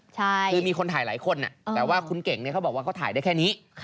คือมีคนถ่ายหลายคนแต่ว่าคุณเก่งเขาบอกว่าเขาถ่ายได้แค่นี้